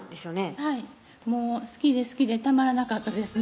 はい好きで好きでたまらなかったですね